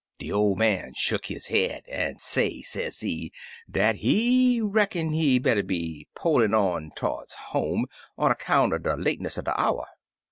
De ol' man shuck his head, and say, sezee, dat he reckon he better be polin' on to'rds home, on accounts er de lateness er de hour."